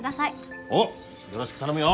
おうよろしく頼むよ。